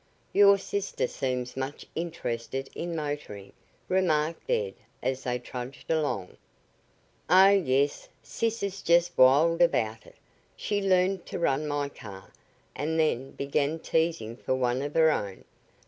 "Your sister seems much interested in motoring," remarked Ed as they trudged along. "Oh, yes, sis is just wild about it. She learned to run my car, and then began teasing for one of her own.